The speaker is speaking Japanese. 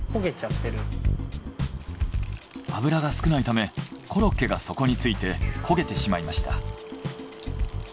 油が少ないためコロッケが底について焦げてしまいました。